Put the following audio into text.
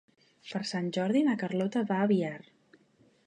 Per Sant Jordi na Carlota va a Biar.